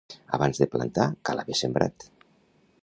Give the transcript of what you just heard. Abans de plantar cal haver sembrat